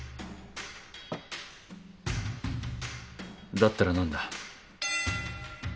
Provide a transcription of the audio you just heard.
だったら何だ。